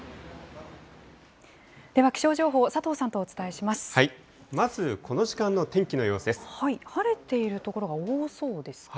では、気象情報、まずこの時間の天気の様子で晴れている所が多そうですか。